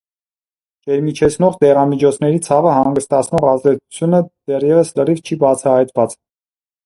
Ջերմիջեցնող դեղամիջոցների ցավը հանգստացնող ազդեցությունը դեռևս լրիվ չի բացահայտված։